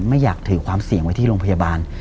ไม่อยากถือความเสี่ยงไว้ที่โรงพยาบาล